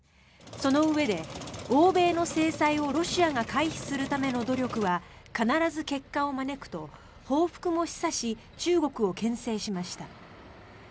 そのうえで欧米の制裁をロシアが回避するための努力は必ず結果を招くと報復も示唆し中国をけん制しました。